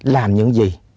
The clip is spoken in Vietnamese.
làm những gì